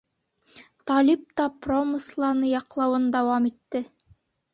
Талип та промысланы яҡлауын дауам итте: